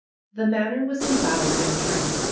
The Manor was embowered in trees.